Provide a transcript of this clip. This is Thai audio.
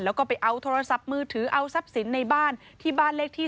แล้วก็ไปเอาโทรศัพท์มือถือเอาทรัพย์สินในบ้านที่บ้านเลขที่๓